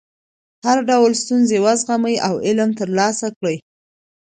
هر ډول ستونزې وزغمئ او علم ترلاسه کړئ.